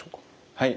はい。